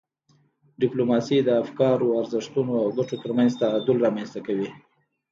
ډیپلوماسي د افکارو، ارزښتونو او ګټو ترمنځ تعادل رامنځته کوي.